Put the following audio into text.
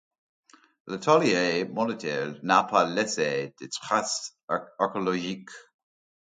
L'atelier monétaire n'a pas laissé de traces archéologiques.